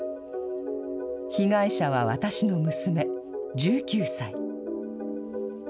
被害者は私の娘、１９歳。